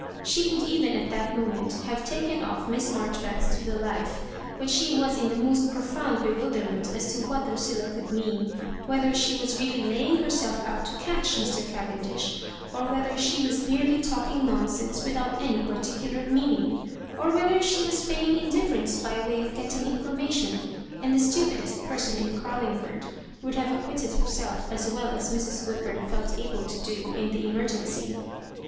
She could even at that moment have taken off Miss Maijoribanks to the life, but she was in the most profound bewilderment as to what Lucilla could mean; whether she was really laying herself out to " catch " Mr. Caven dish, or whether she was merely talking non sense without any particular meaning ; or whether she was feigning indifibrence by way of getting information ; and the stupidest person . in Carlingford would have acquitted herself as well as Mrs. Woodbum felt able to do in the emergency.